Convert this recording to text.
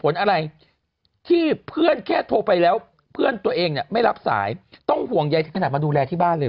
แล้วเพื่อนตัวเองเนี่ยไม่รับสายต้องห่วงใยขนาดมาดูแลที่บ้านเลยเหรอ